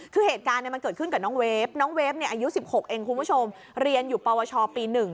คือเหตุการณ์มันเกิดขึ้นกับน้องเวฟน้องเวฟอายุ๑๖เองคุณผู้ชมเรียนอยู่ปวชปี๑